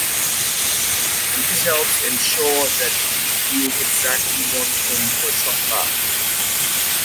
This helps ensure that bees build exactly one comb per top bar.